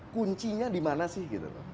kuncinya di mana sih